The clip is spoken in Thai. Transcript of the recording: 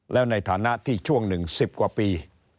แล้วในฐานะที่ช่วงหนึ่ง๑๐กว่าปี